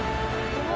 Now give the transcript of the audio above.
うわ！